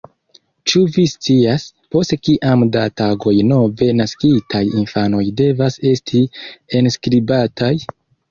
Ĉu vi scias, post kiom da tagoj nove naskitaj infanoj devas esti enskribataj?